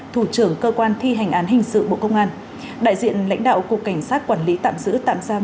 thủ trưởng cơ quan thi hành án hình sự bộ công an đại diện lãnh đạo cục cảnh sát quản lý tạm giữ tạm giam